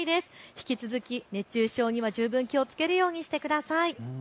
引き続き熱中症には十分気をつけるようにしてください。